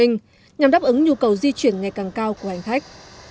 nhằm đáp ứng nhu cầu di chuyển ngày càng cao của hành khách